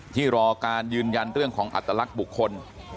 รอการยืนยันเรื่องของอัตลักษณ์บุคคล